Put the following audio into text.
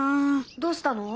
どうしたの？